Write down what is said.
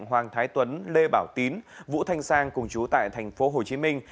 hoàng thái tuấn lê bảo tín vũ thanh sang cùng chú tại thành phố hồ chí minh